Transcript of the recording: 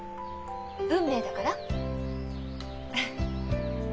「運命」だから？